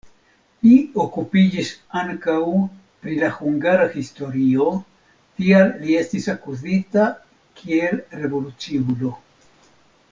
Li okupiĝis ankaŭ pri la hungara historio, tial li estis akuzita kiel revoluciulo.